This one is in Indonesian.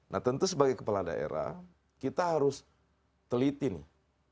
nah tentu sebagai kepala daerah kita harus teliti nih